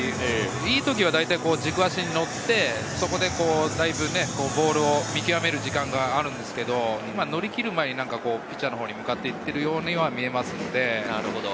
いい時は大体、軸足に乗ってそこでだいぶボールを見極める時間があるんですけれど、今は乗り切る前にピッチャーのほうに向かっていっているように見えます。